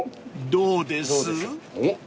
［どうです？］